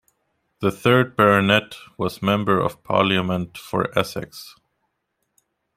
The third Baronet was Member of Parliament for Essex.